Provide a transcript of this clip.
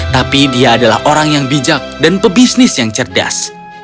tapi dia adalah orang yang bijak dan pebisnis yang cerdas